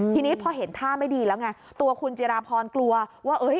ทีนี้พอเห็นท่าไม่ดีแล้วไงตัวคุณจิราพรกลัวว่า